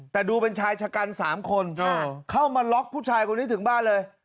แต่ดูเป็นชายชะกัน๓คนเข้ามาล็อกผู้ชายคนนี้ถึงบ้านเลย